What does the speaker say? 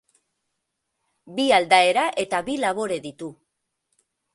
Bi aldaera eta bi labore ditu.